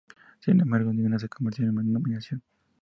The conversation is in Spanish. Sin embargo, ninguna se convirtió en nominación.